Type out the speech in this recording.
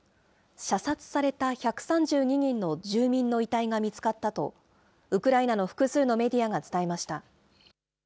射殺された１３２人の住民の遺体が見つかったと、ウクライナの複数のメディアが伝えました。